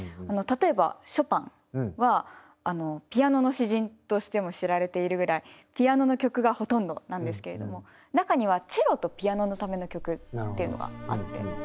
例えばショパンはピアノの詩人としても知られているぐらいピアノの曲がほとんどなんですけれども中にはチェロとピアノのための曲っていうのがあって。